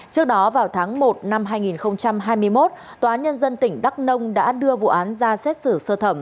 trước đó vào tháng một năm hai nghìn hai mươi một tòa án nhân dân tỉnh đắk nông đã đưa vụ án ra xét xử sơ thẩm